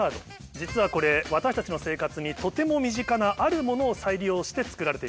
実はこれ私たちの生活にとても身近なあるものを再利用して作られています。